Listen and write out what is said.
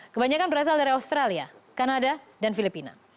kebanyakan berasal dari australia kanada dan filipina